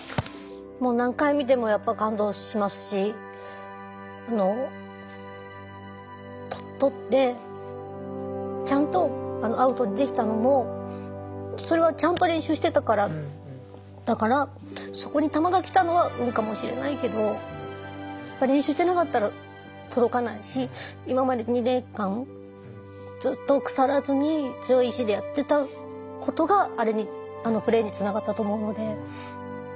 もう何回見てもやっぱ感動しますし取ってちゃんとアウトにできたのもそれはちゃんと練習してたからだからそこに球がきたのは運かもしれないけどやっぱ練習してなかったら届かないし今まで２年間ずっとくさらずに強い意志でやってたことがあれにあのプレーにつながったと思うので。